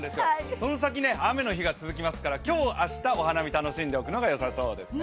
その先雨の日が続きますから今日、明日、お花見を楽しんでおくといいですね。